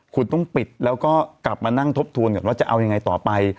คุณต้องปิดแล้วก็กลับมานั่งทบทวนก่อนว่าจะเอายังไงต่อไป